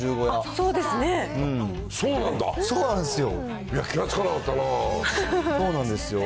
そうなんですよ。